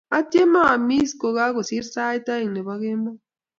atiemee aamiskokakosir saet oeng nepo kemoi.